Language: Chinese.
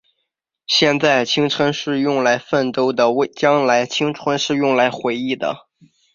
现在，青春是用来奋斗的；将来，青春是用来回忆的。